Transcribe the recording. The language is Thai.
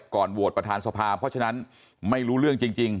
ก่อนโหวตประธานสภาเพราะฉะนั้นไม่รู้เรื่องจริง